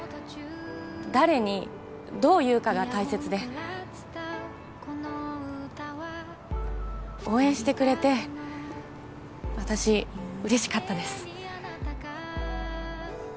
誰にどう言うかが大切で応援してくれて私嬉しかったです